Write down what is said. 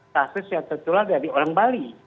kasus yang tertular dari orang bali